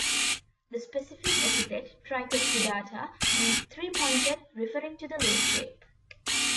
The specific epithet "tricuspidata" means three-pointed, referring to the leaf shape.